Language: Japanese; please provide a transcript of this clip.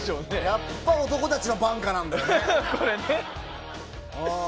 やっぱり「男たちの挽歌」なんだよね。